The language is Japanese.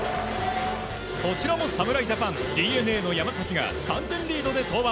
こちらも侍ジャパンＤｅＮＡの山崎が３点リードで登板。